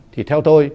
thì theo tôi